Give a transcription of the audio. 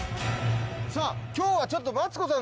今日はちょっとマツコさん